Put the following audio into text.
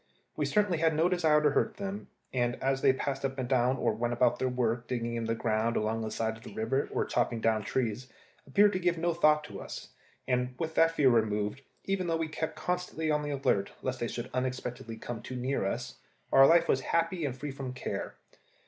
We certainly had no desire to hurt them, and they, as they passed up and down or went about their work digging in the ground along the side of the river or chopping down trees, appeared to give no thought to us; and with that fear removed, even though we kept constantly on the alert, lest they should unexpectedly come too near us, our life was happy and free from care.